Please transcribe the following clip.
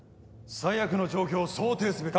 最悪の状況を想定すべきです。